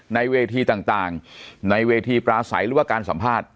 ในเวทีต่างในเวทีปราศัยหรือว่าการสัมภาษณ์